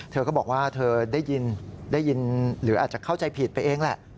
เธอก็บอกว่าเธอได้ยินได้ยินหรืออาจจะเข้าใจผิดไปเองแหละ